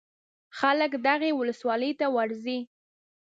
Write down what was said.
خلک دغې ولسوالۍ ته ورځي.